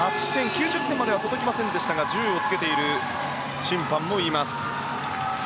９０点までは届きませんでしたが１０をつけている審判もいました。